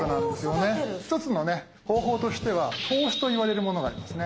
一つのね方法としては投資といわれるものがありますね。